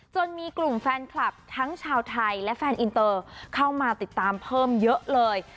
มีกลุ่มแฟนคลับทั้งชาวไทยและแฟนอินเตอร์เข้ามาติดตามเพิ่มเยอะเลย